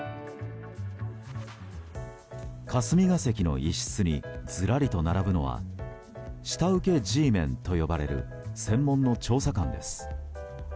霞が関の一室にずらりと並ぶのは下請けＧメンと呼ばれる専門の調査官です。